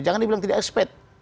jangan dibilang tidak ekspet